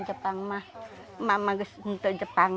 jepang itu masih menjadi jepang